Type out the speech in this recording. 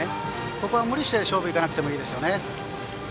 ここは無理して勝負行かなくてもいいです。